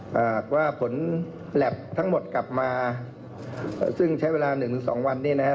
หากว่าผลแล็บทั้งหมดกลับมาซึ่งใช้เวลา๑๒วันนี้นะครับ